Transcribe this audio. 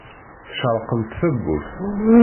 Tcerrqemt tawwurt.